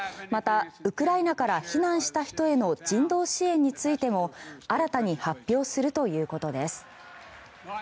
またウクライナから避難した人への人道支援についても新たに発表するということです。